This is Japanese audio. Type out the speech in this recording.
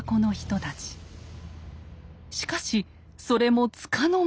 しかしそれもつかの間。